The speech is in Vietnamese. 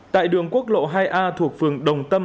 tại đường quốc lộ hai a thuộc phường đồng tâm